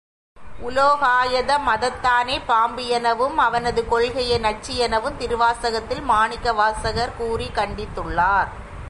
உலோகாயத மதத்தானைப் பாம்பு எனவும் அவன்து கொள்கையை நஞ்சு எனவும் திருவாசகத்தில் மாணிக்கவாசகர் கூறிக் கண்டித்துள்ளார்.